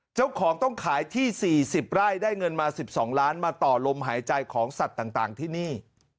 เจ้าของต้องขายที่๔๐ไร่ได้เงินมา๑๒ล้านมาต่อลมหายใจของสัตว์ต่างที่นี่